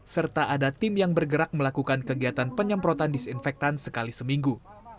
serta ada tim yang bergerak melakukan kegiatan penyemprotan disinfektan sekali seminggu